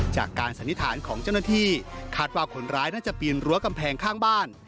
สันนิษฐานของเจ้าหน้าที่คาดว่าคนร้ายน่าจะปีนรั้วกำแพงข้างบ้าน